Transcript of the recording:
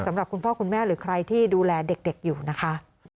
สำหรับคุณพ่อคุณแม่หรือใครที่ดูแลเด็กอยู่นะคะ